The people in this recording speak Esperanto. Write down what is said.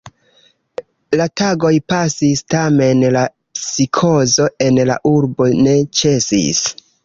La tagoj pasis, tamen la psikozo en la urbo ne ĉesis.